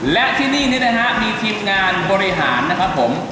และที่นี่นะฮะมีทีมงานบริหารนะครับผม